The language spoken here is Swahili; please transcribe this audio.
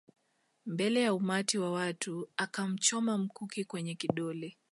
Mbele ya umati wa watu akamchoma mkuki kwenye kidole